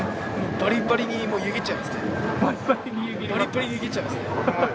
バリバリ湯切っちゃいますね。